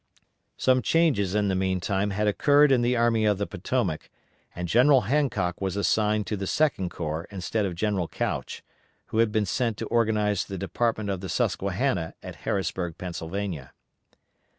Some changes in the meantime had occurred in the Army of the Potomac, and General Hancock was assigned to the Second Corps instead of General Couch, who had been sent to organize the department of the Susquehanna at Harrisburg, Pennsylvania.